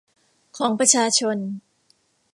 ของประชาชน